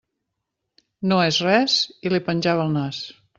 No és res, i li penjava el nas.